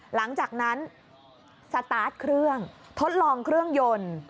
หลังจากนั้นสตาร์ทเครื่องทดลองเครื่องยนต์